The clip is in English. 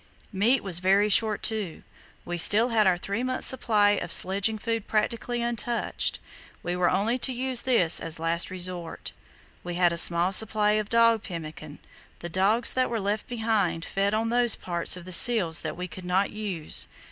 Meat was very short too. We still had our three months' supply of sledging food practically untouched; we were only to use this as a last resort. We had a small supply of dog pemmican, the dogs that were left being fed on those parts of the seals that we could not use.